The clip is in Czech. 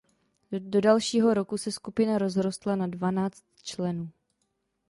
Do dalšího roku se skupina rozrostla na dvanáct členů.